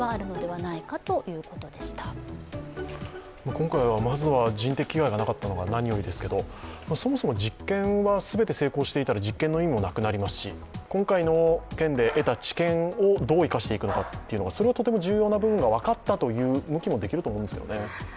今回はまずは人的被害がなかったのが何よりですけど、そもそも実験は全て成功していたら、実験の意味もなくなりますし今回の件で得た知見をどう生かしていくのか、それはとても重要な部分が分かったという向きもできると思うんですけどね。